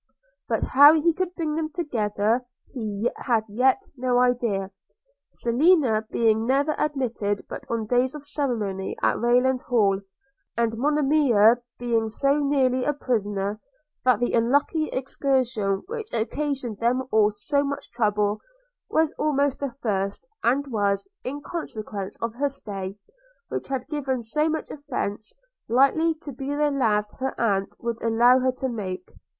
But how he could bring them together, he had yet no idea – Selina being never admitted but on days of ceremony at Rayland Hall; and Monimia being so nearly a prisoner, that the unlucky excursion which occasioned them all so much trouble, was almost the first, and was, in consequence of her stay, which had given so much offence, likely to be the last her aunt would allow her to make.